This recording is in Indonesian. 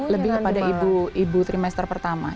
lebih kepada ibu trimester pertama